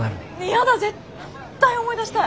やだ絶対思い出したい！